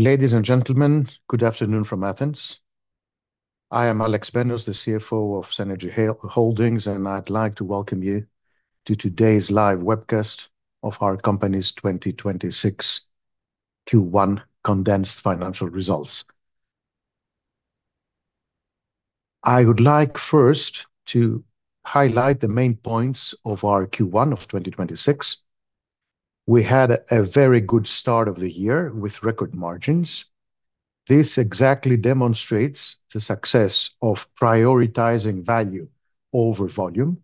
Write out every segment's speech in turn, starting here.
Ladies and gentlemen, good afternoon from Athens. I am Alex Benos, the CFO of Cenergy Holdings. I'd like to welcome you to today's live webcast of our company's 2026 Q1 condensed financial results. I would like first to highlight the main points of our Q1 of 2026. We had a very good start of the year with record margins. This exactly demonstrates the success of prioritizing value over volume.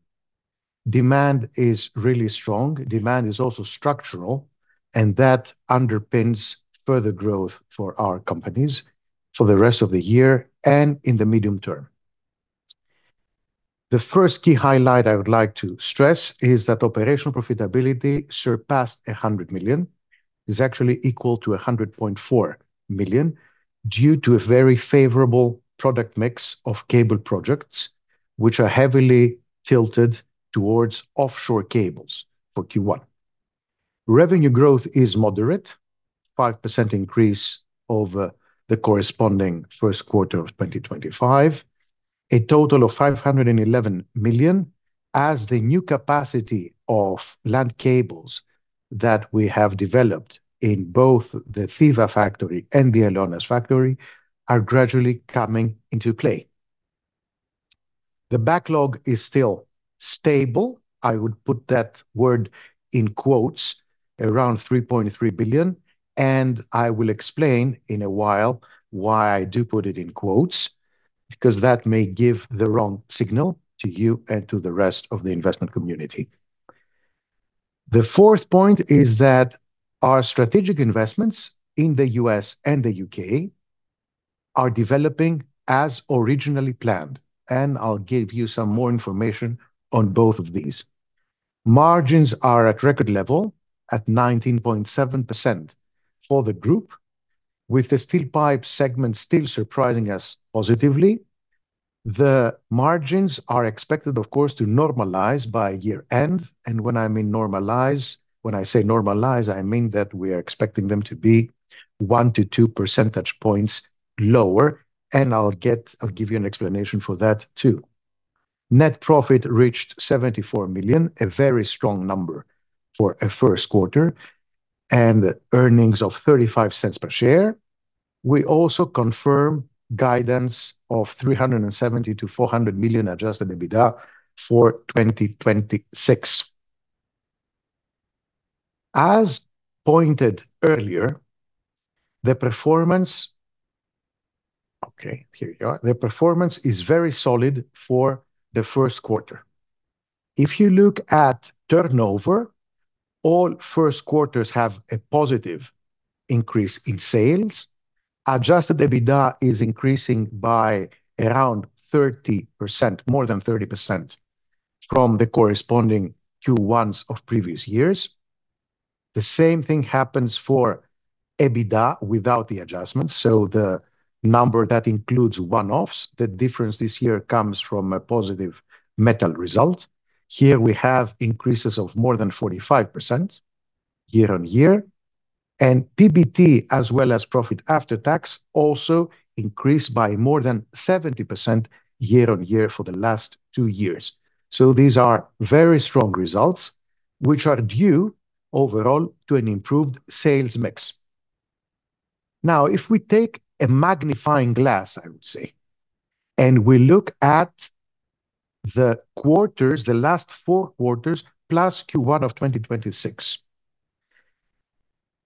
Demand is really strong. Demand is also structural. That underpins further growth for our companies for the rest of the year and in the medium term. The first key highlight I would like to stress is that operational profitability surpassed 100 million. It's actually equal to 100.4 million, due to a very favorable product mix of cable projects, which are heavily tilted towards offshore cables for Q1. Revenue growth is moderate, 5% increase over the corresponding first quarter of 2025. A total of 511 million as the new capacity of land cables that we have developed in both the Thiva factory and the Eleonas factory are gradually coming into play. The backlog is still stable, I would put that word in quotes, around 3.3 billion, and I will explain in a while why I do put it in quotes, because that may give the wrong signal to you and to the rest of the investment community. The fourth point is that our strategic investments in the U.S. and the U.K. are developing as originally planned, and I'll give you some more information on both of these. Margins are at record level at 19.7% for the group, with the steel pipes segment still surprising us positively. The margins are expected, of course, to normalize by year end. When I say normalize, I mean that we are expecting them to be one to two percentage points lower, and I'll give you an explanation for that, too. Net profit reached 74 million, a very strong number for a first quarter, and earnings of 0.35 per share. We also confirm guidance of 370 million-400 million adjusted EBITDA for 2026. As pointed earlier, the performance is very solid for the first quarter. If you look at turnover, all first quarters have a positive increase in sales. Adjusted EBITDA is increasing by around 30%, more than 30% from the corresponding Q1s of previous years. The same thing happens for EBITDA without the adjustments, so the number that includes one-offs, the difference this year comes from a positive metal result. Here we have increases of more than 45% year-on-year, and PBT, as well as profit after tax, also increased by more than 70% year-on-year for the last two years. These are very strong results, which are due overall to an improved sales mix. Now, if we take a magnifying glass, I would say, and we look at the quarters, the last four quarters, plus Q1 of 2026.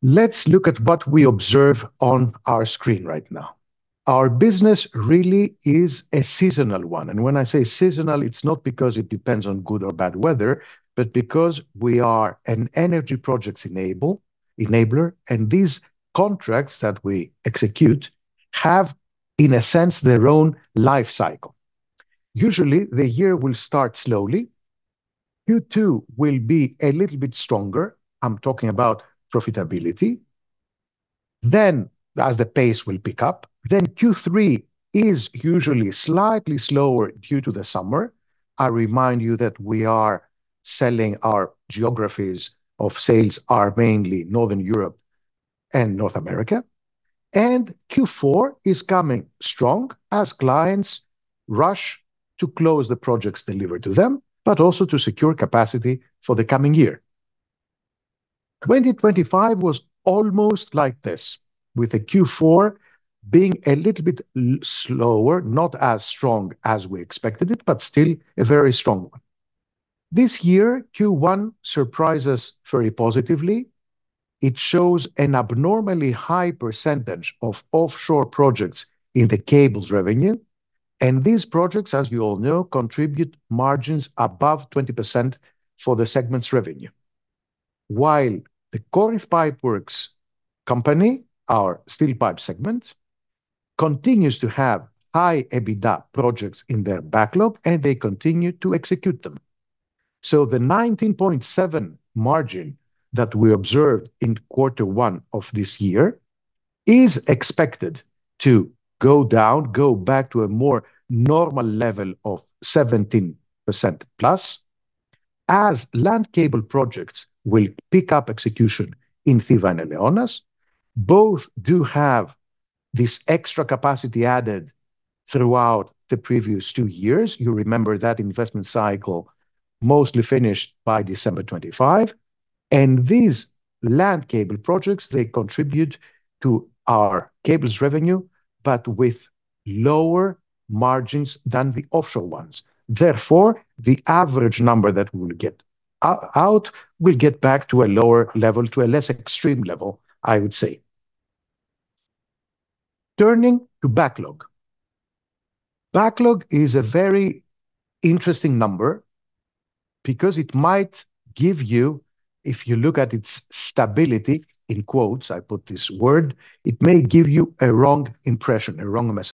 Let's look at what we observe on our screen right now. Our business really is a seasonal one, and when I say seasonal, it's not because it depends on good or bad weather, but because we are an energy projects enabler, and these contracts that we execute have, in a sense, their own life cycle. Usually, the year will start slowly. Q2 will be a little bit stronger. I'm talking about profitability. As the pace will pick up, then Q3 is usually slightly slower due to the summer. I remind you that we are selling our geographies of sales are mainly Northern Europe and North America, and Q4 is coming strong as clients rush to close the projects delivered to them, but also to secure capacity for the coming year. 2025 was almost like this, with the Q4 being a little bit slower, not as strong as we expected it, but still a very strong one. This year, Q1 surprised us very positively. It shows an abnormally high percentage of offshore projects in the cables revenue. These projects, as you all know, contribute margins above 20% for the segment's revenue. While the Corinth Pipeworks company, our steel pipe segment, continues to have high EBITDA projects in their backlog, and they continue to execute them. The 19.7% margin that we observed in quarter one of this year is expected to go down, go back to a more normal level of 17%+. As land cable projects will pick up execution in Thiva and Eleonas, both do have this extra capacity added throughout the previous two years. You remember that investment cycle mostly finished by December 2025. These land cable projects, they contribute to our cables revenue, but with lower margins than the offshore ones. Therefore, the average number that we will get out will get back to a lower level, to a less extreme level, I would say. Turning to backlog. Backlog is a very interesting number because it might give you, if you look at its stability, in quotes, I put this word, it may give you a wrong impression, a wrong message.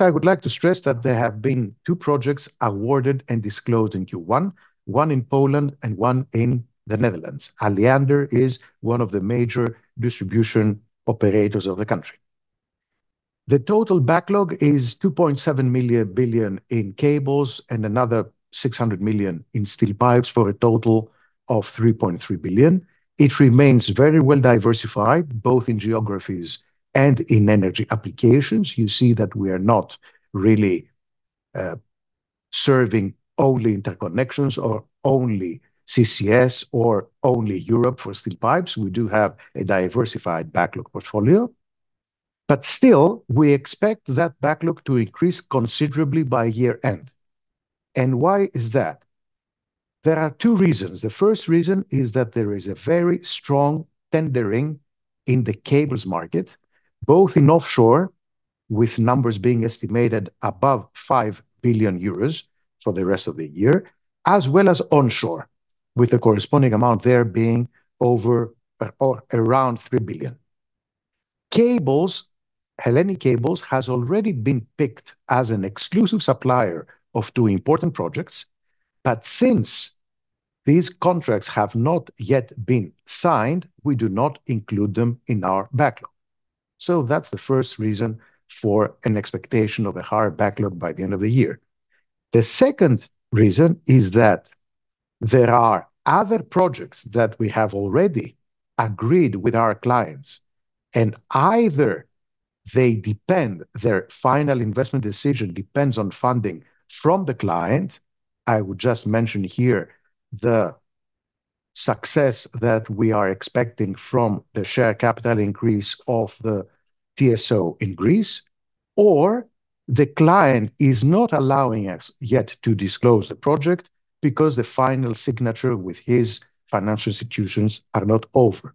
I would like to stress that there have been two projects awarded and disclosed in Q1, one in Poland and one in the Netherlands. Alliander is one of the major distribution operators of the country. The total backlog is 2.7 billion in cables and another 600 million in steel pipes for a total of 3.3 billion. It remains very well diversified, both in geographies and in energy applications. You see that we are not really serving only interconnections or only CCS or only Europe for steel pipes. We do have a diversified backlog portfolio. Still, we expect that backlog to increase considerably by year-end. Why is that? There are two reasons. The first reason is that there is a very strong tendering in the cables market, both in offshore, with numbers being estimated above 5 billion euros for the rest of the year, as well as onshore, with the corresponding amount there being around 3 billion. Hellenic Cables has already been picked as an exclusive supplier of two important projects. Since these contracts have not yet been signed, we do not include them in our backlog. That's the first reason for an expectation of a higher backlog by the end of the year. The second reason is that there are other projects that we have already agreed with our clients, and either they depend, their final investment decision depends on funding from the client. I would just mention here the success that we are expecting from the share capital increase of the TSO in Greece, the client is not allowing us yet to disclose the project because the final signature with its financial institutions are not over.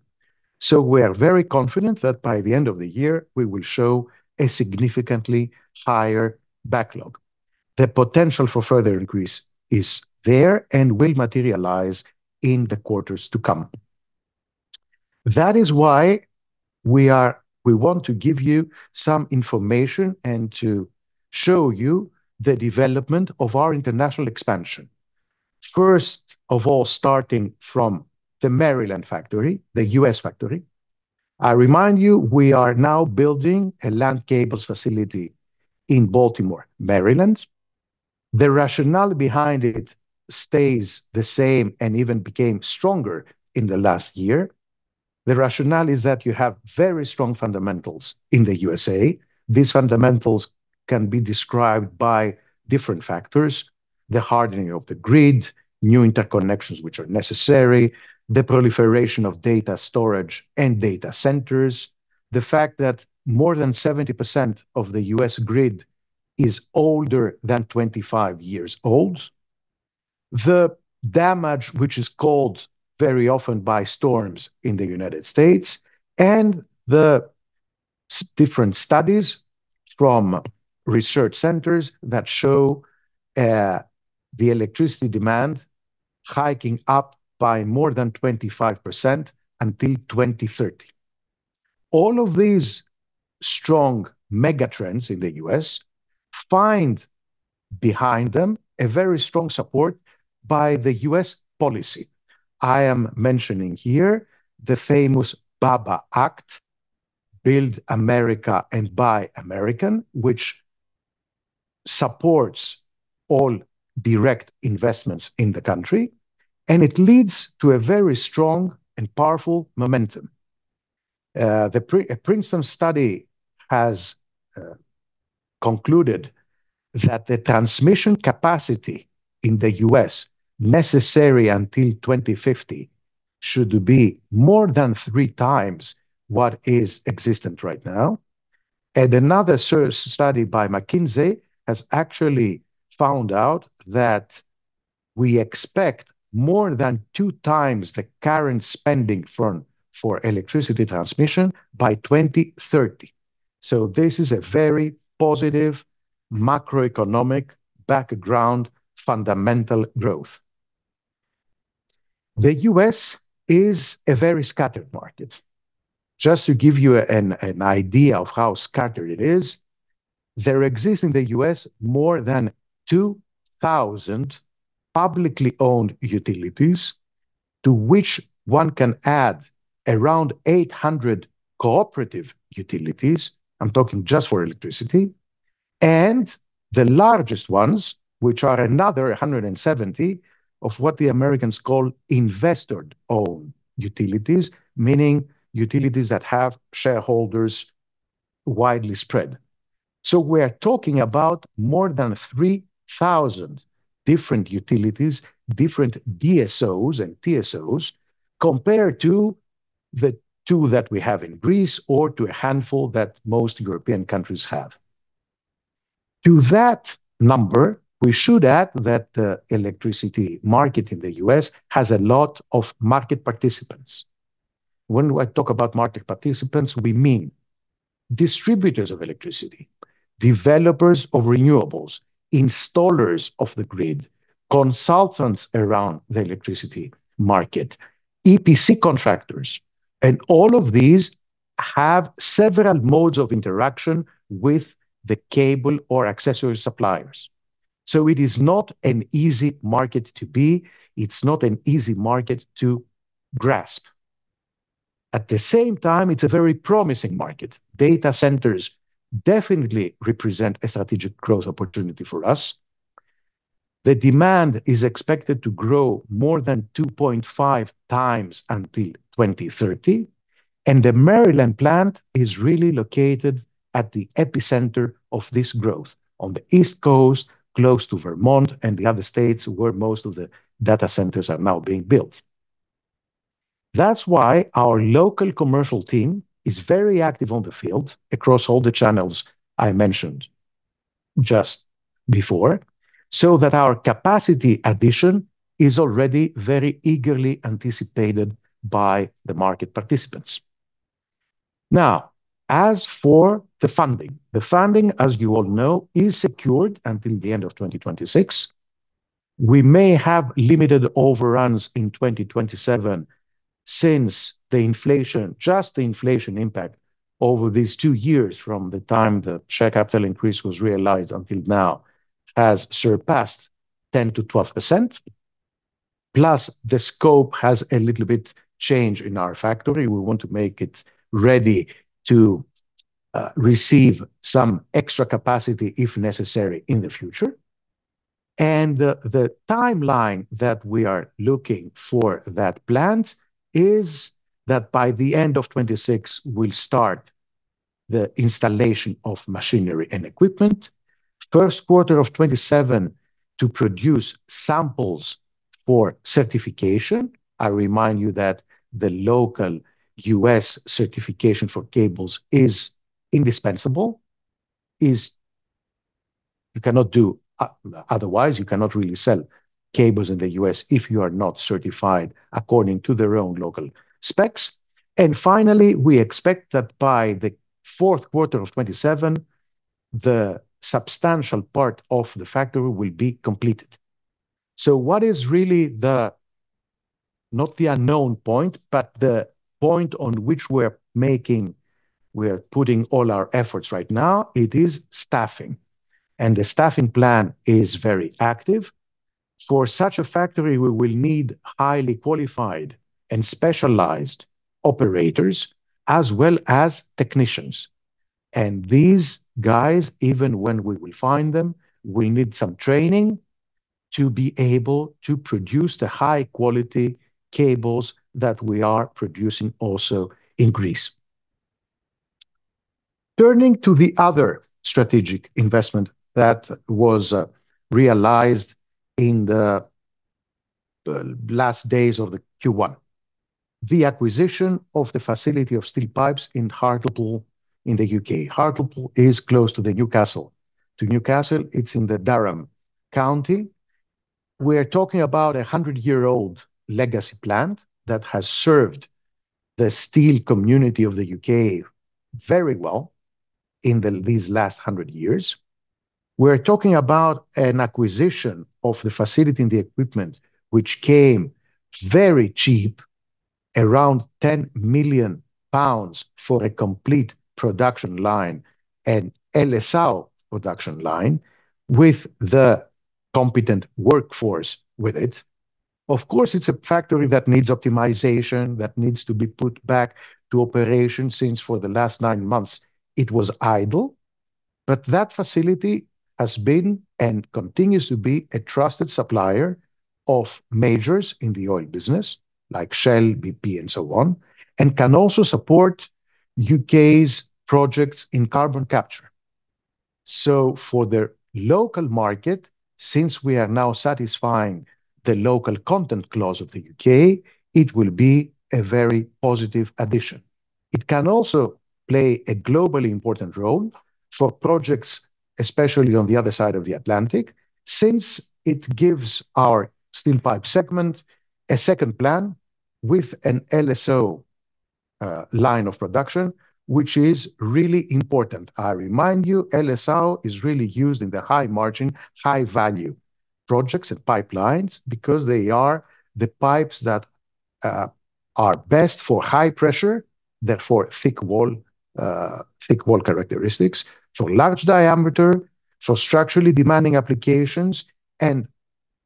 We are very confident that by the end of the year, we will show a significantly higher backlog. The potential for further increase is there and will materialize in the quarters to come. That is why we want to give you some information and to show you the development of our international expansion. First of all, starting from the Maryland factory, the U.S. factory. I remind you, we are now building a land cables facility in Baltimore, Maryland. The rationale behind it stays the same and even became stronger in the last year. The rationale is that you have very strong fundamentals in the U.S.A. These fundamentals can be described by different factors, the hardening of the grid, new interconnections which are necessary, the proliferation of data storage and data centers, the fact that more than 70% of the U.S. grid is older than 25 years old, the damage which is caused very often by storms in the United States, and the different studies from research centers that show the electricity demand hiking up by more than 25% until 2030. All of these strong mega trends in the U.S. find behind them a very strong support by the U.S. policy. I am mentioning here the famous BABA Act, Build America, Buy America, which supports all direct investments in the country, and it leads to a very strong and powerful momentum. A Princeton study has concluded that the transmission capacity in the U.S. necessary until 2050 should be more than 3x what is existent right now. Another study by McKinsey has actually found out that we expect more than 2x the current spending for electricity transmission by 2030. This is a very positive macroeconomic background, fundamental growth. The U.S. is a very scattered market. Just to give you an idea of how scattered it is, there exists in the U.S. more than 2,000 publicly owned utilities to which one can add around 800 cooperative utilities. I'm talking just for electricity. The largest ones, which are another 170 of what the Americans call investor-owned utilities, meaning utilities that have shareholders widely spread. We are talking about more than 3,000 different utilities, different DSOs and TSOs, compared to the two that we have in Greece or to a handful that most European countries have. To that number, we should add that the electricity market in the U.S. has a lot of market participants. When we talk about market participants, we mean distributors of electricity, developers of renewables, installers of the grid, consultants around the electricity market, EPC contractors. All of these have several modes of interaction with the cable or accessory suppliers. It is not an easy market to be, it's not an easy market to grasp. At the same time, it's a very promising market. Data centers definitely represent a strategic growth opportunity for us. The demand is expected to grow more than 2.5x until 2030. The Maryland plant is really located at the epicenter of this growth, on the East Coast, close to Vermont and the other states where most of the data centers are now being built. That's why our local commercial team is very active on the field across all the channels I mentioned just before, so that our capacity addition is already very eagerly anticipated by the market participants. Now, as for the funding. The funding, as you all know, is secured until the end of 2026. We may have limited overruns in 2027 since the inflation, just the inflation impact over these two years from the time the share capital increase was realized until now has surpassed 10%-12%, plus the scope has a little bit change in our factory. We want to make it ready to receive some extra capacity if necessary in the future. The timeline that we are looking for that plant is that by the end of 2026, we'll start the installation of machinery and equipment. First quarter of 2027 to produce samples for certification. I remind you that the local U.S. certification for cables is indispensable. You cannot do otherwise. You cannot really sell cables in the U.S. if you are not certified according to their own local specs. Finally, we expect that by the fourth quarter of 2027, the substantial part of the factory will be completed. What is really the, not the unknown point, but the point on which we're making, we're putting all our efforts right now, it is staffing, and the staffing plan is very active. For such a factory, we will need highly qualified and specialized operators, as well as technicians. These guys, even when we will find them, will need some training to be able to produce the high-quality cables that we are producing also in Greece. Turning to the other strategic investment that was realized in the last days of the Q1, the acquisition of the facility of steel pipes in Hartlepool in the U.K. Hartlepool is close to Newcastle. It's in the Durham County. We're talking about a 100-year-old legacy plant that has served the steel community of the U.K. very well in these last 100 years. We're talking about an acquisition of the facility and the equipment, which came very cheap, around 10 million pounds for a complete production line, an LSAW production line with the competent workforce with it. Of course, it's a factory that needs optimization, that needs to be put back to operation, since for the last nine months it was idle. That facility has been and continues to be a trusted supplier of majors in the oil business like Shell, BP, and so on, and can also support U.K.'s projects in carbon capture. For the local market, since we are now satisfying the local content clause of the U.K., it will be a very positive addition. It can also play a globally important role for projects, especially on the other side of the Atlantic, since it gives our steel pipe segment a second plan with an LSAW line of production, which is really important. I remind you, LSAW is really used in the high margin, high value projects and pipelines because they are the pipes that are best for high pressure, therefore thick wall characteristics, so large diameter, so structurally demanding applications and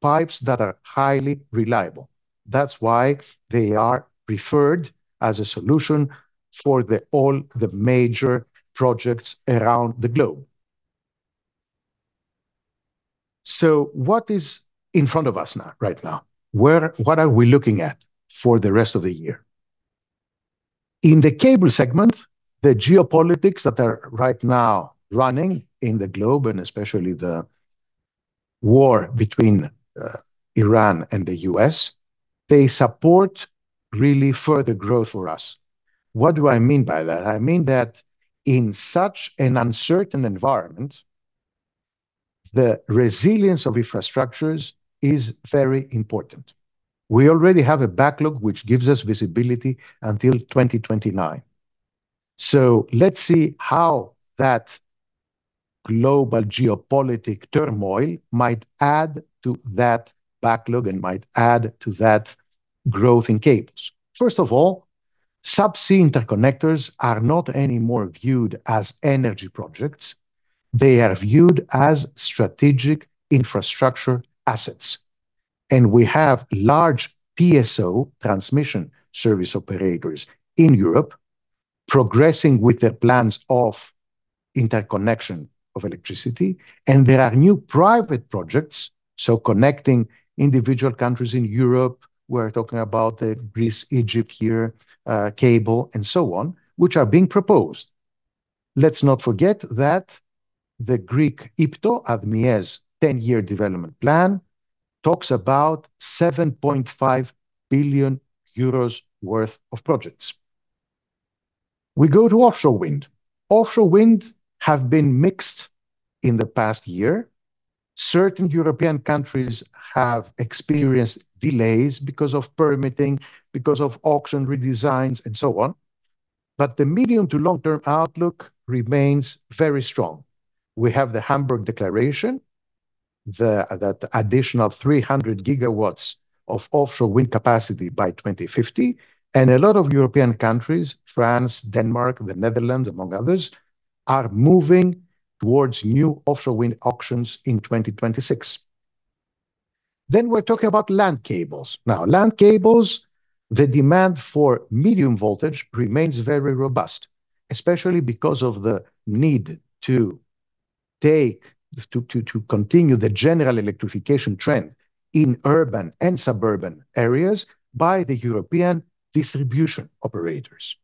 pipes that are highly reliable. That's why they are preferred as a solution for all the major projects around the globe. What is in front of us right now? What are we looking at for the rest of the year? In the cable segment, the geopolitics that are right now running in the globe, and especially the war between Iran and the U.S., they support really further growth for us. What do I mean by that? I mean that in such an uncertain environment, the resilience of infrastructures is very important. We already have a backlog, which gives us visibility until 2029. Let's see how that global geopolitical turmoil might add to that backlog and might add to that growth in cables. First of all, subsea interconnectors are not anymore viewed as energy projects. They are viewed as strategic infrastructure assets. We have large TSOs, Transmission System Operators, in Europe progressing with their plans of interconnection of electricity, and there are new private projects, connecting individual countries in Europe. We're talking about the Greece-Egypt here, cable and so on, which are being proposed. Let's not forget that the Greek IPTO, ADMIE's 10-year development plan, talks about 7.5 billion euros worth of projects. We go to offshore wind. Offshore wind have been mixed in the past year. Certain European countries have experienced delays because of permitting, because of auction redesigns and so on. The medium to long-term outlook remains very strong. We have the Hamburg Declaration, that additional 300 GW of offshore wind capacity by 2050, and a lot of European countries, France, Denmark, the Netherlands, among others, are moving towards new offshore wind auctions in 2026. We're talking about land cables. Land cables, the demand for medium voltage remains very robust, especially because of the need to continue the general electrification trend in urban and suburban areas by the European distribution operators.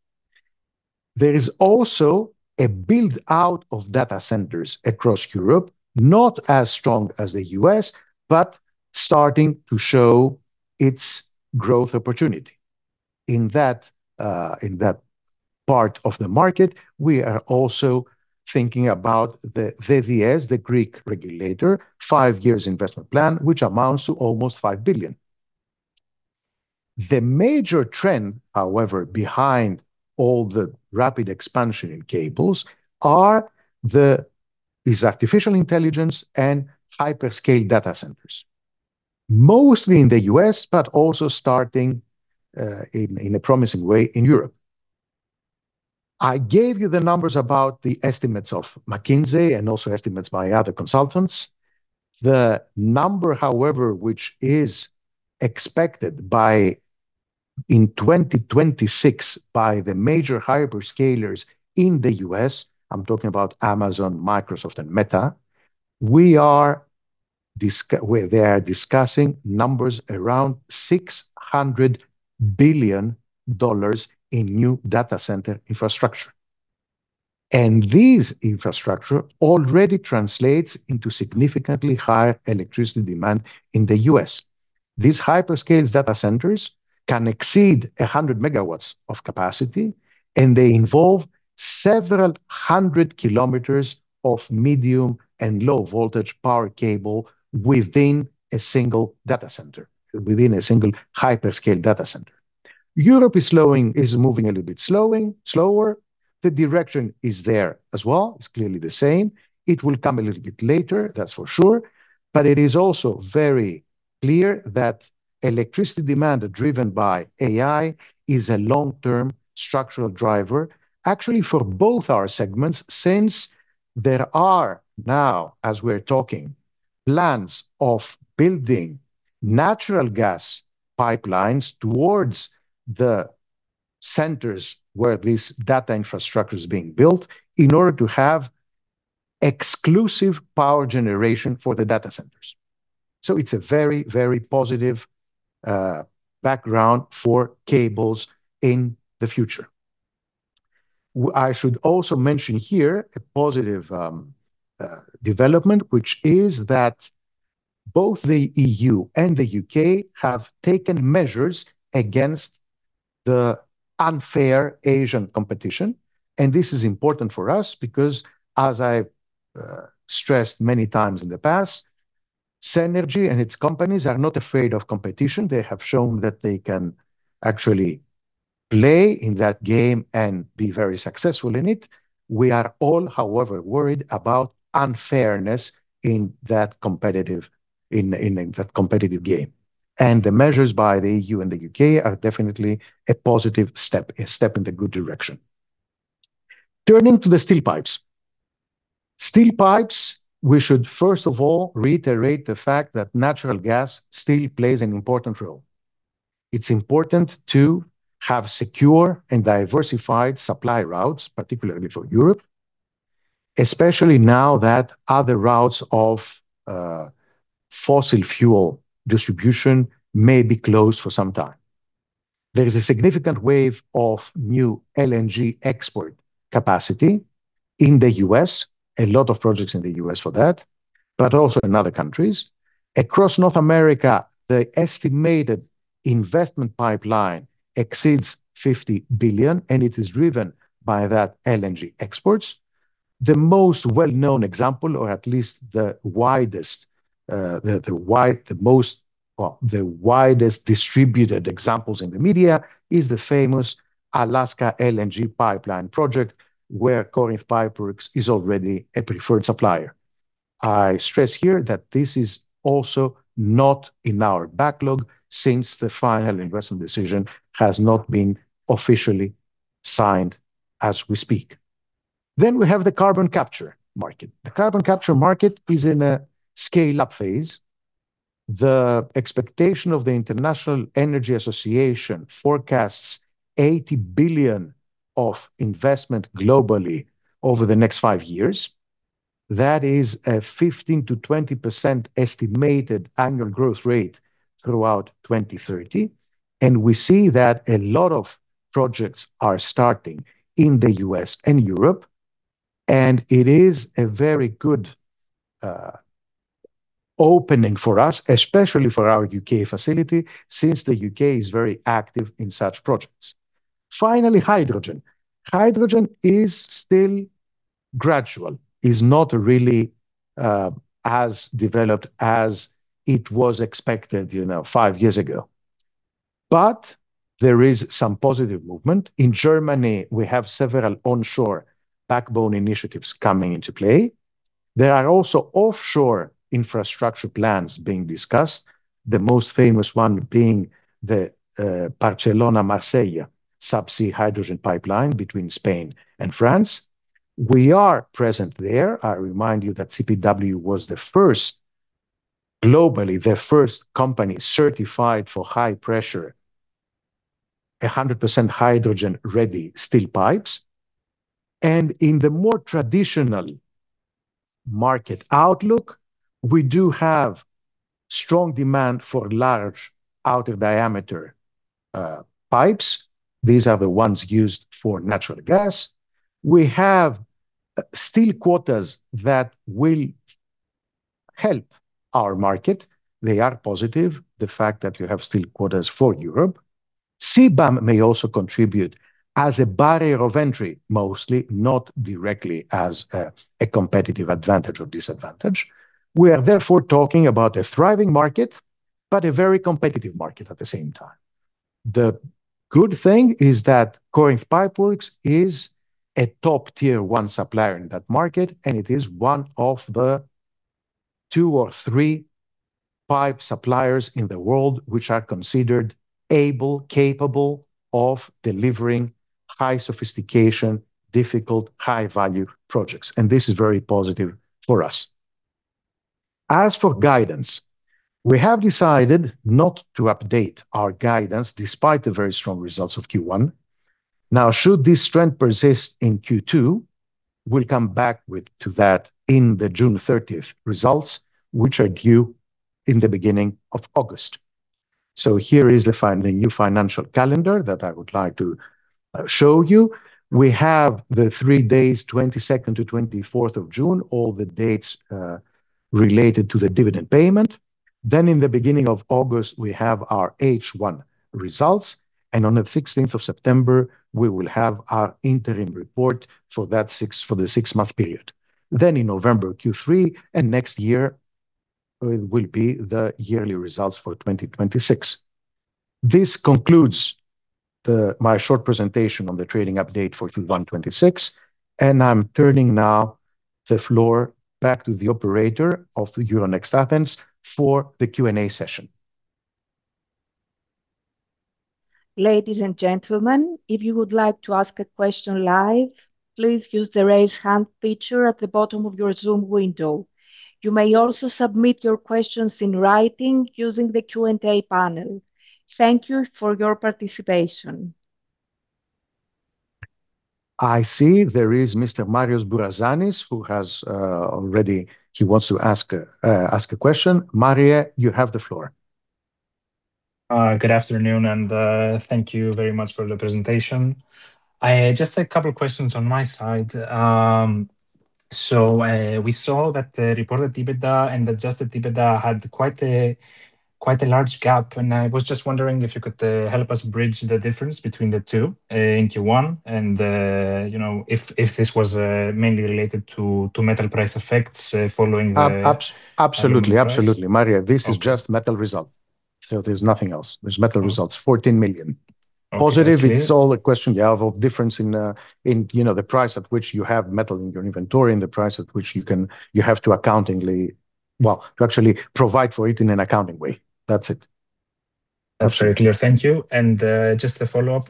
There is also a build-out of data centers across Europe, not as strong as the U.S., but starting to show its growth opportunity. In that part of the market, we are also thinking about the RAAEY, the Greek regulator, five years investment plan, which amounts to almost 5 billion. The major trend, however, behind all the rapid expansion in cables is artificial intelligence and hyperscale data centers, mostly in the U.S., but also starting in a promising way in Europe. I gave you the numbers about the estimates of McKinsey and also estimates by other consultants. The number, however, which is expected in 2026 by the major hyperscalers in the U.S., I'm talking about Amazon, Microsoft, and Meta, they are discussing numbers around $600 billion in new data center infrastructure. This infrastructure already translates into significantly higher electricity demand in the U.S. These hyperscale data centers can exceed 100 MW of capacity, and they involve several hundred kilometers of medium and low voltage power cable within a single hyperscale data center. Europe is moving a little bit slower. The direction is there as well. It's clearly the same. It will come a little bit later, that's for sure. It is also very clear that electricity demand driven by AI is a long-term structural driver, actually for both our segments, since there are now, as we're talking, plans of building natural gas pipelines towards the centers where this data infrastructure is being built in order to have exclusive power generation for the data centers. It's a very positive background for cables in the future. I should also mention here a positive development, which is that both the E.U. and the U.K. have taken measures against the unfair Asian competition, and this is important for us because, as I've stressed many times in the past, Cenergy and its companies are not afraid of competition. They have shown that they can actually play in that game and be very successful in it. We are all, however, worried about unfairness in that competitive game. The measures by the E.U. and the U.K. are definitely a positive step, a step in the good direction. Turning to the steel pipes. Steel pipes, we should first of all reiterate the fact that natural gas still plays an important role. It's important to have secure and diversified supply routes, particularly for Europe, especially now that other routes of fossil fuel distribution may be closed for some time. There is a significant wave of new LNG export capacity in the U.S., a lot of projects in the U.S. for that, but also in other countries. Across North America, the estimated investment pipeline exceeds $50 billion, and it is driven by that LNG exports. The most well-known example, or at least the widest distributed examples in the media, is the famous Alaska LNG pipeline project, where Corinth Pipeworks is already a preferred supplier. I stress here that this is also not in our backlog since the final investment decision has not been officially signed as we speak. We have the carbon capture market. The carbon capture market is in a scale-up phase. The expectation of the International Energy Agency forecasts 80 billion of investment globally over the next five years. That is a 15%-20% estimated annual growth rate throughout 2030. We see that a lot of projects are starting in the U.S. and Europe, and it is a very good opening for us, especially for our U.K. facility, since the U.K. is very active in such projects. Hydrogen. Hydrogen is still gradual, is not really as developed as it was expected five years ago, but there is some positive movement. In Germany, we have several onshore backbone initiatives coming into play. There are also offshore infrastructure plans being discussed, the most famous one being the Barcelona-Marseille sub-sea hydrogen pipeline between Spain and France. We are present there. I remind you that CPW was globally the first company certified for high pressure, 100% hydrogen-ready steel pipes. In the more traditional market outlook, we do have strong demand for large outer diameter pipes. These are the ones used for natural gas. We have steel quotas that will help our market. They are positive, the fact that you have steel quotas for Europe. CBAM may also contribute as a barrier of entry, mostly not directly as a competitive advantage or disadvantage. We are therefore talking about a thriving market, but a very competitive market at the same time. The good thing is that Corinth Pipeworks is a top Tier 1 supplier in that market, and it is one of the two or three pipe suppliers in the world which are considered able, capable of delivering high sophistication, difficult high-value projects. This is very positive for us. As for guidance, we have decided not to update our guidance despite the very strong results of Q1. Now, should this trend persist in Q2, we'll come back to that in the June 30th results, which are due in the beginning of August. Here is the new financial calendar that I would like to show you. We have the three days, 22nd to 24th of June, all the dates related to the dividend payment. In the beginning of August, we have our H1 results, and on the 16th of September, we will have our interim report for the six-month period. In November, Q3, and next year will be the yearly results for 2026. This concludes my short presentation on the trading update for Q1 2026, and I'm turning now the floor back to the operator of the Euronext Athens for the Q&A session. Ladies and gentlemen, if you would like to ask a question live, please use the raise hand feature at the bottom of your Zoom window. You may also submit your questions in writing using the Q&A panel. Thank you for your participation. I see there is Mr. Marios Bourazanis, who wants to ask a question. Marios, you have the floor. Good afternoon. Thank you very much for the presentation. Just a couple of questions on my side. We saw that the reported EBITDA and adjusted EBITDA had quite a large gap, and I was just wondering if you could help us bridge the difference between the two in Q1 and if this was mainly related to metal price effects following the aluminum price. Absolutely. Marios, this is just metal result. There's nothing else. There's metal results, 14 million. Positive, it's all a question of difference in the price at which you have metal in your inventory and the price at which you have to accountingly, well, to actually provide for it in an accounting way. That's it. That's very clear. Thank you. Just a follow-up.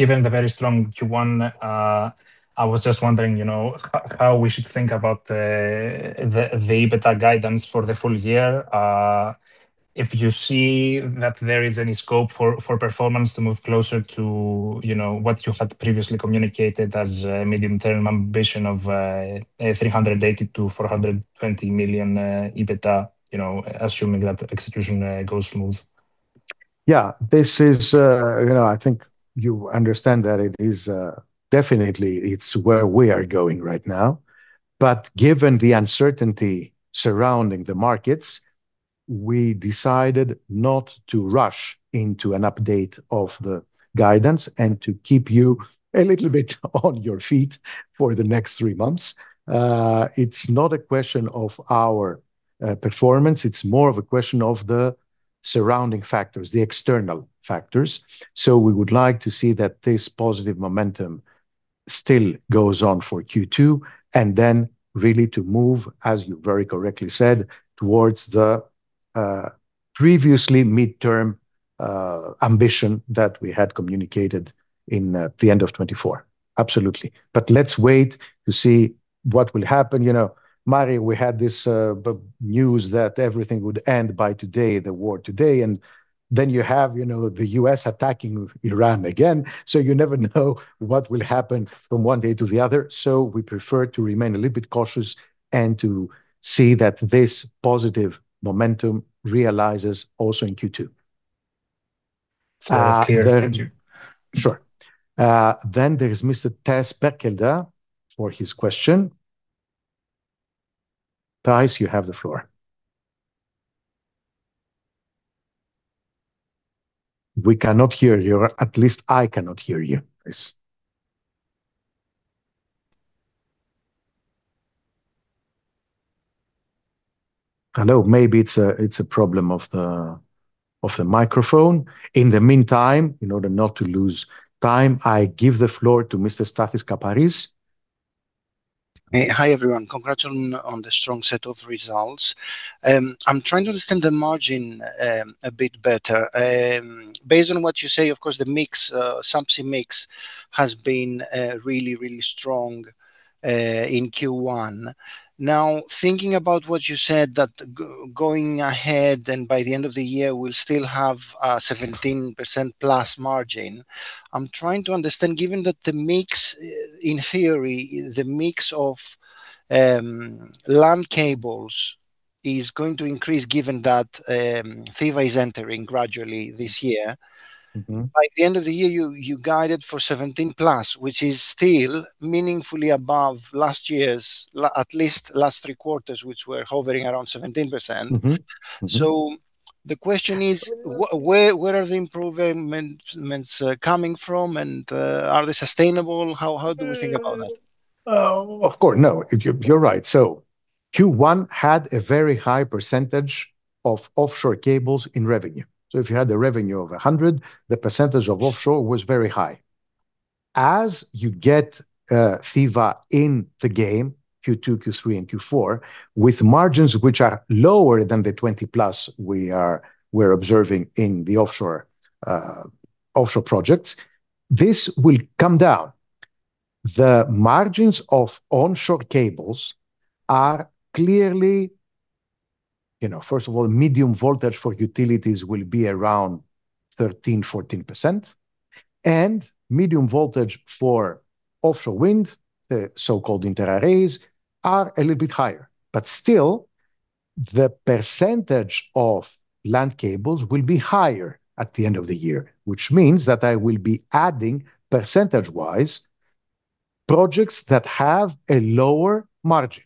Given the very strong Q1, I was just wondering how we should think about the EBITDA guidance for the full year. If you see that there is any scope for performance to move closer to what you had previously communicated as a medium-term ambition of 380 million-420 million EBITDA, assuming that execution goes smooth. Yeah. I think you understand that it is definitely where we are going right now. Given the uncertainty surrounding the markets, we decided not to rush into an update of the guidance and to keep you a little bit on your feet for the next three months. It's not a question of our performance, it's more of a question of the surrounding factors, the external factors. We would like to see that this positive momentum still goes on for Q2, and then really to move, as you very correctly said, towards the previously midterm ambition that we had communicated in the end of 2024. Absolutely. Let's wait to see what will happen. Marios, we had this news that everything would end by today, the war today, you have the U.S. attacking Iran again, you never know what will happen from one day to the other. We prefer to remain a little bit cautious and to see that this positive momentum realizes also in Q2. That's clear. Thank you. Sure. There is Mr. Thijs Berkelder for his question. Thijs, you have the floor. We cannot hear you, or at least I cannot hear you, Thijs. Hello, maybe it's a problem of the microphone. In the meantime, in order not to lose time, I give the floor to Mr. Stathis Kaparis. Hi, everyone. Congrats on the strong set of results. I'm trying to understand the margin a bit better. Based on what you say, of course, the sub-sea mix has been really strong in Q1. Thinking about what you said, that going ahead and by the end of the year, we'll still have a 17%+ margin. I'm trying to understand, given that the mix, in theory, the mix of land cables is going to increase, given that Thiva is entering gradually this year. By the end of the year, you guided for 17%+, which is still meaningfully above last year's, at least last three quarters, which were hovering around 17%. The question is, where are the improvements coming from, and are they sustainable? How do we think about that? Of course. No, you're right. Q1 had a very high percentage of offshore cables in revenue. If you had the revenue of 100 million, the percentage of offshore was very high. As you get Thiva in the game, Q2, Q3, and Q4, with margins which are lower than the 20%+ we're observing in the offshore projects, this will come down. The margins of onshore cables are clearly, first of all, medium voltage for utilities will be around 13%-14%, and medium voltage for offshore wind, the so-called inter-arrays, are a little bit higher. Still, the percentage of land cables will be higher at the end of the year, which means that I will be adding, percentage-wise, projects that have a lower margin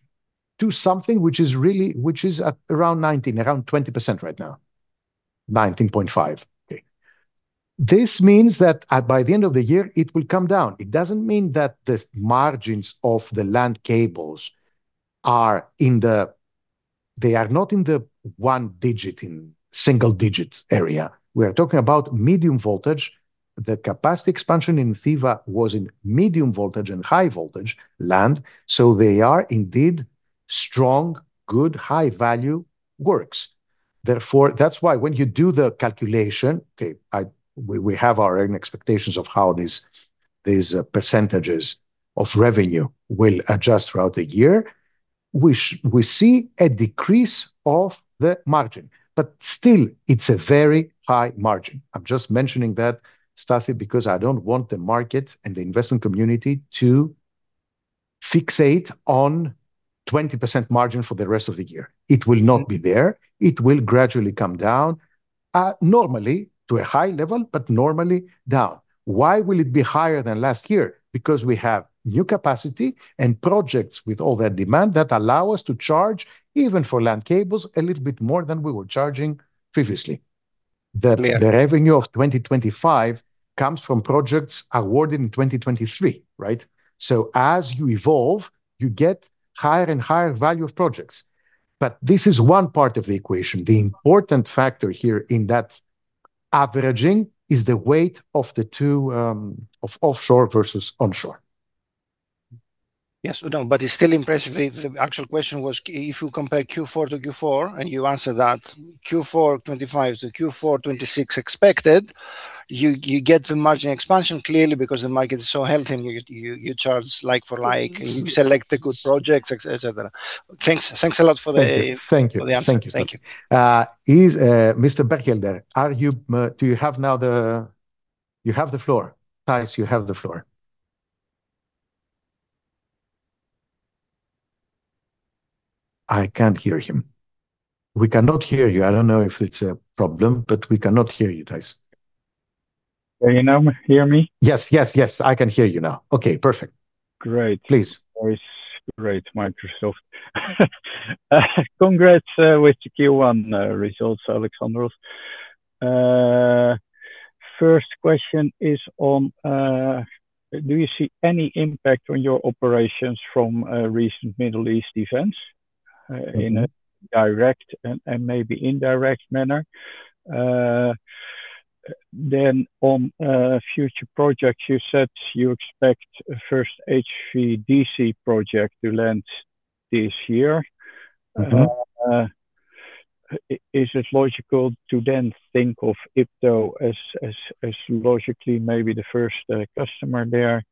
to something which is around 19%-20% right now, 19.5%. This means that by the end of the year, it will come down. It doesn't mean that the margins of the land cables are not in the one digit, in single-digit area. We are talking about medium voltage. The capacity expansion in Thiva was in medium voltage and high voltage land, so they are indeed strong, good, high-value works. That's why when you do the calculation, we have our own expectations of how these percentages of revenue will adjust throughout the year. We see a decrease of the margin, but still, it's a very high margin. I'm just mentioning that, Stathis, because I don't want the market and the investment community to fixate on 20% margin for the rest of the year. It will not be there. It will gradually come down, normally to a high level, but normally down. Why will it be higher than last year? We have new capacity and projects with all that demand that allow us to charge, even for land cables, a little bit more than we were charging previously. The revenue of 2025 comes from projects awarded in 2023, right? As you evolve, you get higher and higher value of projects. This is one part of the equation. The important factor here in that averaging is the weight of the two, of offshore versus onshore. Yes. No, it's still impressive. The actual question was if you compare Q4 to Q4, and you answered that, Q4 2025 to Q4 2026 expected, you get the margin expansion clearly because the market is so healthy and you charge like for like and you select the good projects, et cetera. Thanks a lot for the answer. Thank you. Thank you. Is Mr. Berkelder there? You have the floor. Thijs, you have the floor. I can't hear him. We cannot hear you. I don't know if it's a problem, but we cannot hear you, Thijs. Can you now hear me? Yes, I can hear you now. Okay, perfect. Great. Please. Voice, great Microsoft. Congrats with the Q1 results, Alex. First question is on do you see any impact on your operations from recent Middle East events in a direct and maybe indirect manner? On future projects, you said you expect first HVDC project to land this year. Is it logical to then think of IPTO as logically maybe the first customer there,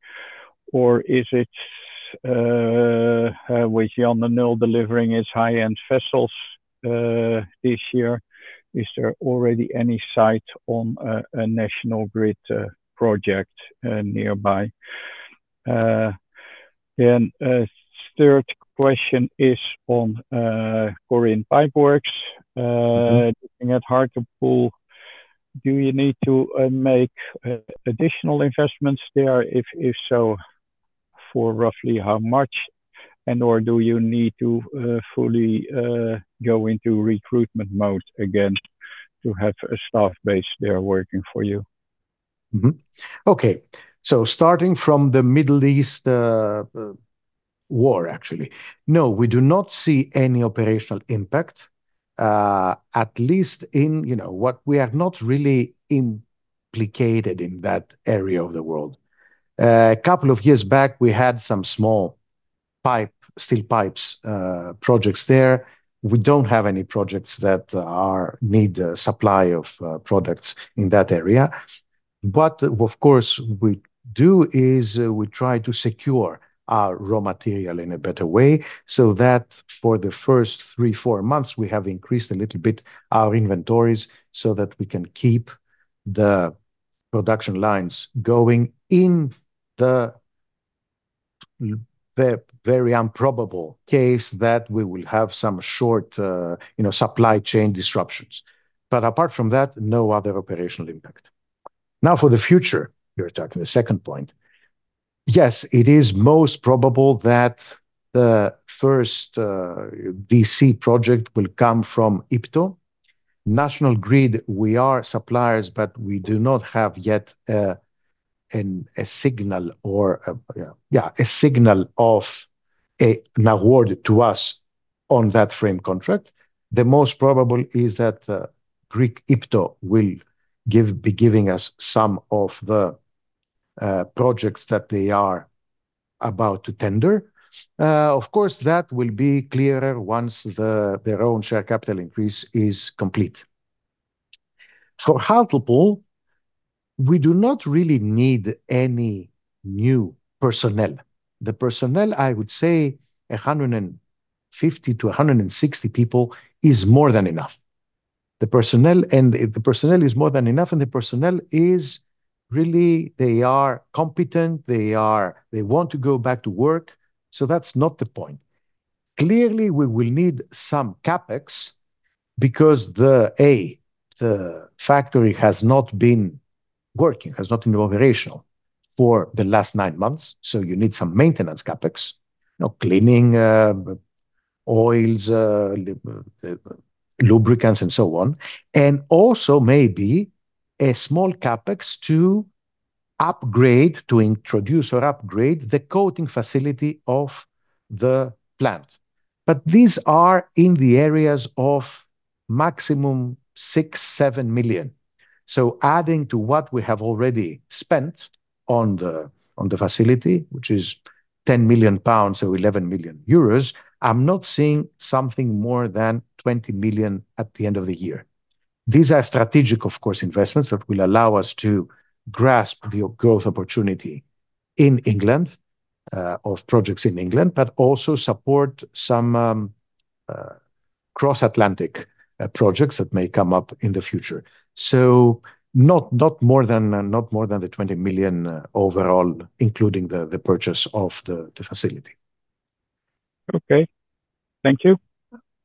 or is it with Jan De Nul delivering his high-end vessels this year, is there already any sight on a National Grid project nearby? Third question is on Corinth Pipeworks. Looking at Hartlepool, do you need to make additional investments there? If so, for roughly how much and/or do you need to fully go into recruitment mode again to have a staff base there working for you? Okay, starting from the Middle East war, actually. We do not see any operational impact. We are not really implicated in that area of the world. A couple of years back, we had some small steel pipes projects there. We don't have any projects that need supply of products in that area. Of course, we do is we try to secure our raw material in a better way, so that for the first three, four months, we have increased a little bit our inventories so that we can keep the production lines going in the very improbable case that we will have some short supply chain disruptions. Apart from that, no other operational impact. For the future, you're talking the second point. It is most probable that the first DC project will come from IPTO. National Grid, we are suppliers, but we do not have yet a signal of an award to us on that frame contract. The most probable is that Greek IPTO will be giving us some of the projects that they are about to tender. Of course, that will be clearer once their own share capital increase is complete. For Hartlepool, we do not really need any new personnel. The personnel, I would say 150-160 people is more than enough. The personnel is more than enough and the personnel is really, they are competent. They want to go back to work. That's not the point. Clearly, we will need some CapEx because the factory has not been working, has not been operational for the last nine months, so you need some maintenance CapEx, cleaning, oils, lubricants and so on. Also maybe a small CapEx to introduce or upgrade the coating facility of the plant. These are in the areas of maximum 6 million-7 million. Adding to what we have already spent on the facility, which is 10 million pounds or 11 million euros, I'm not seeing something more than 20 million at the end of the year. These are strategic, of course, investments that will allow us to grasp the growth opportunity in England, of projects in England, but also support some cross-Atlantic projects that may come up in the future. Not more than the 20 million overall, including the purchase of the facility. Okay. Thank you.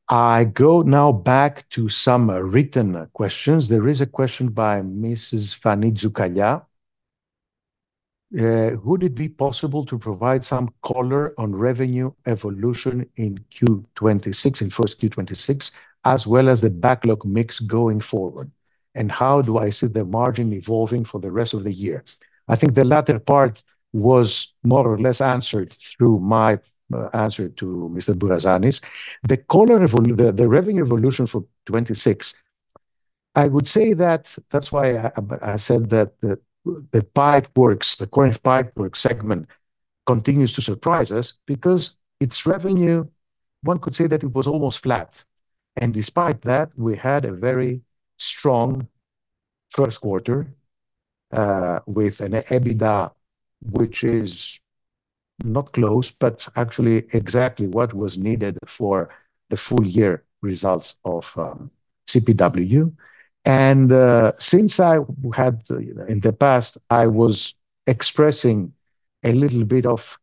I go now back to some written questions. There is a question by Mrs. Fani Tsoukala. Would it be possible to provide some color on revenue evolution in 1Q 2026, in first-Q 2026, as well as the backlog mix going forward? How do I see the margin evolving for the rest of the year? I think the latter part was more or less answered through my answer to Mr. Bourazanis. The revenue evolution for 2026, I would say that that's why I said that the pipe works, the Corinth Pipeworks segment continues to surprise us because its revenue, one could say that it was almost flat. Despite that, we had a very strong first quarter, with an EBITDA, which is not close, but actually exactly what was needed for the full year results of CPW. Since I had in the past, I was expressing a little bit of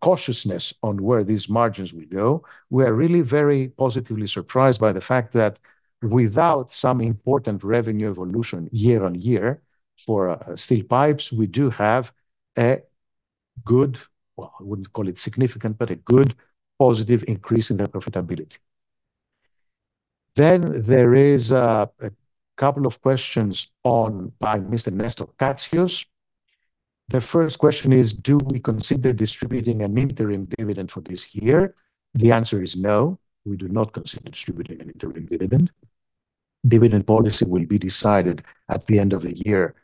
cautiousness on where these margins will go. We are really very positively surprised by the fact that without some important revenue evolution year-on-year for steel pipes, we do have a good, well, I wouldn't call it significant, but a good positive increase in the profitability. There is a couple of questions by Mr. Nestor Katsios. The first question is, do we consider distributing an interim dividend for this year? The answer is no, we do not consider distributing an interim dividend. Dividend policy will be decided at the end of the year,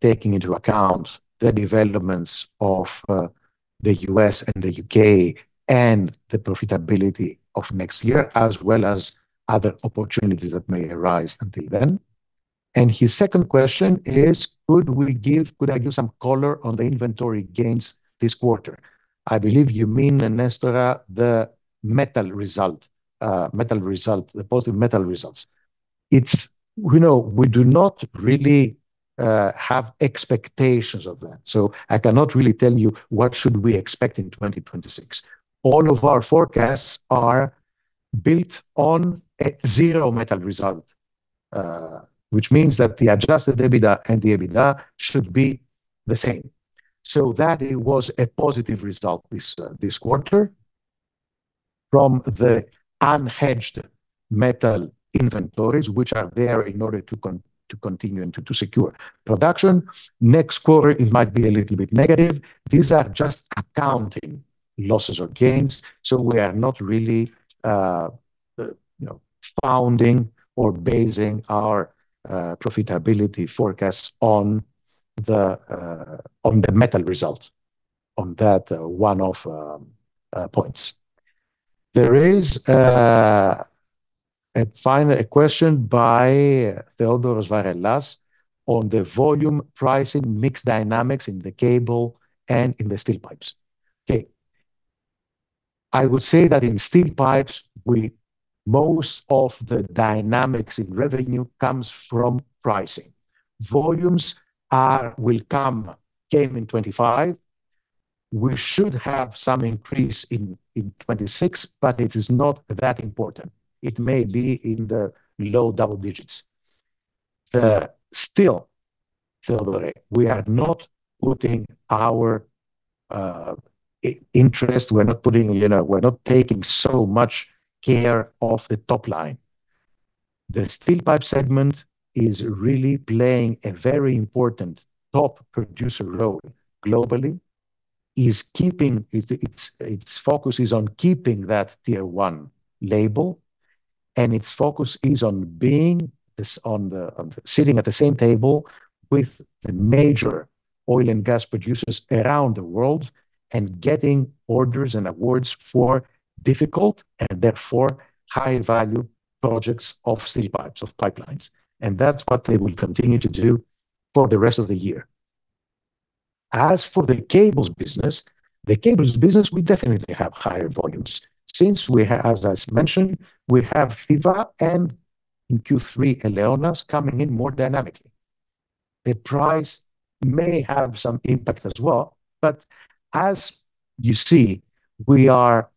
taking into account the developments of the U.S. and the U.K. and the profitability of next year, as well as other opportunities that may arise until then. His second question is, could I give some color on the inventory gains this quarter? I believe you mean, Nestor, the positive metal results. We do not really have expectations of that, so I cannot really tell you what should we expect in 2026. All of our forecasts are built on a zero metal result, which means that the adjusted EBITDA and the EBITDA should be the same. That was a positive result this quarter from the unhedged metal inventories, which are there in order to continue and to secure production. Next quarter, it might be a little bit negative. These are just accounting losses or gains. We are not really founding or basing our profitability forecasts on the metal result on that one-off points. There is a final question by Theodore Zvarellas on the volume pricing mix dynamics in the cable and in the steel pipes. Okay. I would say that in steel pipes, most of the dynamics in revenue comes from pricing. Volumes came in 2025. We should have some increase in 2026, it is not that important. It may be in the low double digits. Still, Theodore, we are not putting our interest, we're not taking so much care of the top line. The steel pipe segment is really playing a very important top producer role globally. Its focus is on keeping that Tier 1 label, its focus is on sitting at the same table with the major oil and gas producers around the world and getting orders and awards for difficult and therefore high-value projects of steel pipes, of pipelines. That's what they will continue to do for the rest of the year. As for the cables business, we definitely have higher volumes since we have, as mentioned, we have Thiva and in Q3, Eleonas coming in more dynamically. The price may have some impact as well. As you see, we are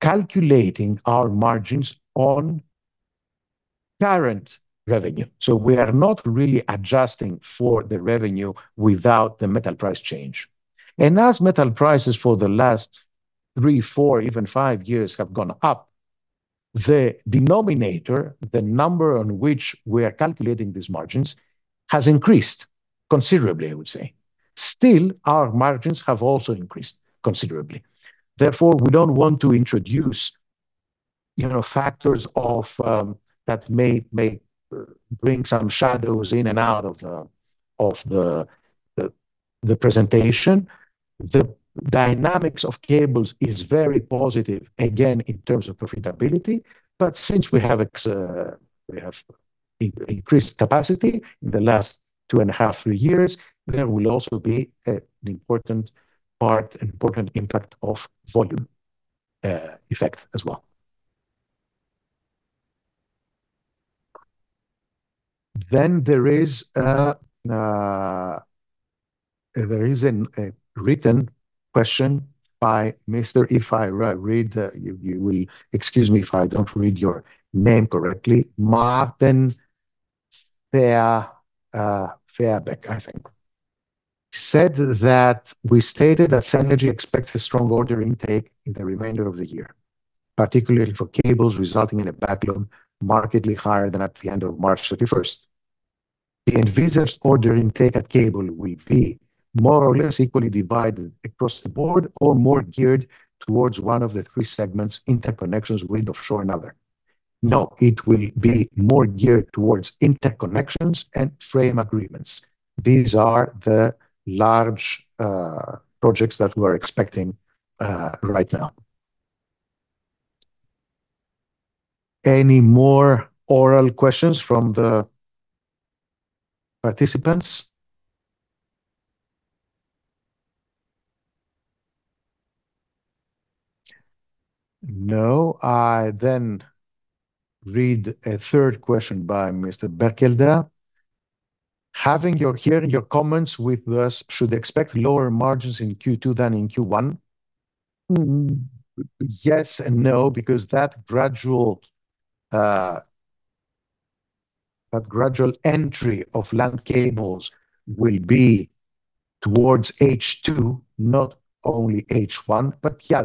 calculating our margins on current revenue, so we are not really adjusting for the revenue without the metal price change. As metal prices for the last three, four, even five years have gone up, the denominator, the number on which we are calculating these margins, has increased considerably, I would say. Still, our margins have also increased considerably. Therefore, we don't want to introduce factors that may bring some shadows in and out of the presentation. The dynamics of cables is very positive, again, in terms of profitability, but since we have increased capacity in the last 2.5-`3 years, there will also be an important part, an important impact of volume effect as well. There is a written question by, If I read, you will excuse me if I don't read your name correctly. Martin [Feerbecker], I think. Said that we stated that Cenergy expects a strong order intake in the remainder of the year, particularly for cables resulting in a backlog markedly higher than at the end of March 31st. The envisaged order intake at cable will be more or less equally divided across the board or more geared towards one of the three segments, interconnections, grid, offshore and other? No, it will be more geared towards interconnections and frame agreements. These are the large projects that we're expecting right now. Any more oral questions from the participants? No. I read a third question by Mr. Berkelder. Having to hearing your comments with us, should expect lower margins in Q2 than in Q1?" Yes and no because that gradual entry of land cables will be towards H2, not only H1.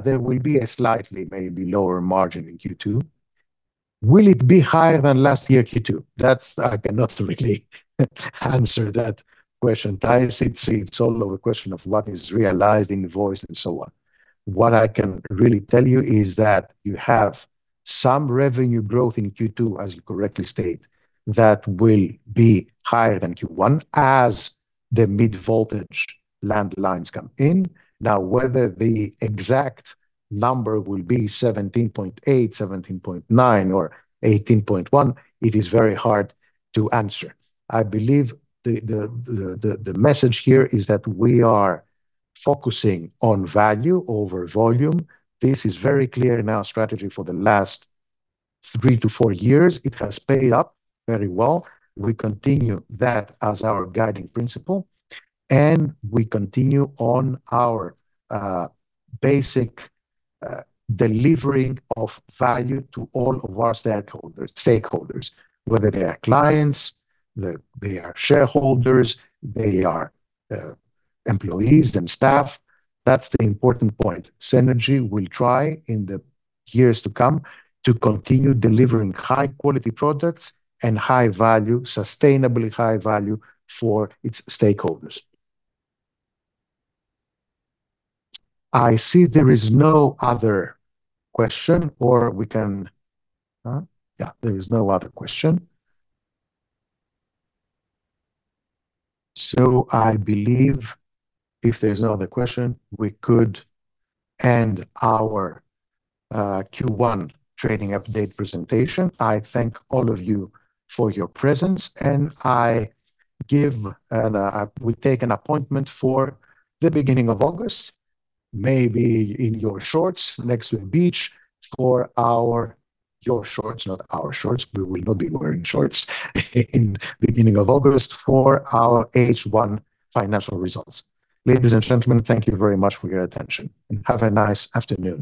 There will be a slightly maybe lower margin in Q2. Will it be higher than last year Q2? That I cannot really answer that question, Thijs. It's all of a question of what is realized, invoiced, and so on. What I can really tell you is that you have some revenue growth in Q2, as you correctly state, that will be higher than Q1 as the mid-voltage landlines come in. Whether the exact number will be 17.8%, 17.9% or 18.1%, it is very hard to answer. I believe the message here is that we are focusing on value over volume. This is very clear in our strategy for the last three to four years. It has paid up very well. We continue that as our guiding principle, and we continue on our basic delivering of value to all of our stakeholders, whether they are clients, they are shareholders, they are employees and staff. That's the important point. Cenergy will try in the years to come to continue delivering high quality products and high value, sustainably high value for its stakeholders. I see there is no other question. We can Yeah, there is no other question. I believe if there's no other question, we could end our Q1 trading update presentation. I thank all of you for your presence, and we take an appointment for the beginning of August, maybe in your shorts next to a beach for our, your shorts, not our shorts. We will not be wearing shorts in beginning of August for our H1 financial results. Ladies and gentlemen, thank you very much for your attention, and have a nice afternoon.